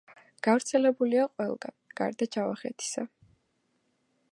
გავრცელებულია ყველგან, გარდა ჯავახეთისა.